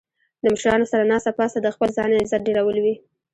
د مشرانو سره ناسته پاسته د خپل ځان عزت ډیرول وي